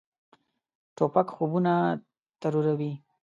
توپک خوبونه تروروي.